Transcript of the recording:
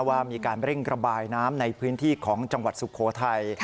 ว่ามีการเร่งระบายน้ำในพื้นที่ของจังหวัดสุโขทัย